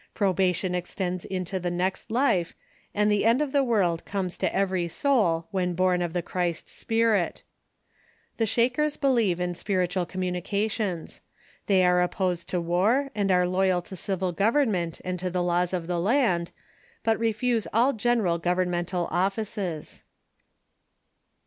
Probation ex tends into the next life, and the end of the world, comes to every soul when born of the Christ spirit. The Shakers be lieve in spiritual communications. They are opposed to Avar, and are loyal to civil government and to the laws of the land, but refuse all general governmental offices.